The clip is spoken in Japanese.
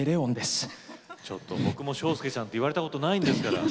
ちょっと僕も「章介ちゃん」って言われたことないんですから。